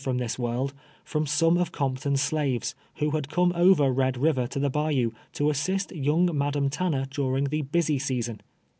from this world, from some of Compton's slaves, wlio Lad fonie over Eed lliver to tlic Lnyou, to assist youiii^' Madam Tanner durin<j^ the " busy season."